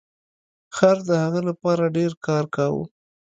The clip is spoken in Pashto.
خر د هغه لپاره ډیر کار کاوه.